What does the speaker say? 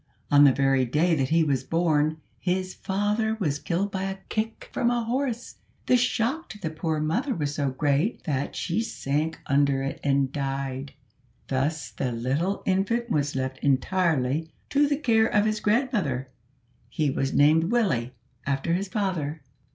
On the very day that he was born his father was killed by a kick from a horse. The shock to the poor mother was so great, that she sank under it and died. Thus the little infant was left entirely to the care of his grandmother. He was named Willie, after his father.